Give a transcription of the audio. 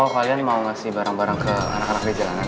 kalian mau ngasih barang barang ke anak anak di jalanan